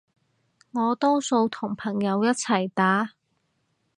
我多數同朋友一齊打